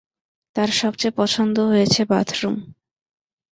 তার সবচেয়ে পছন্দ হয়েছে বাথরুম।